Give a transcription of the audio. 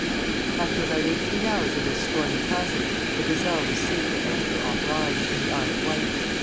After about eighteen hours of this stormy passage the "Gazelle" was safe at anchor off Ryde, in the Isle of Wight.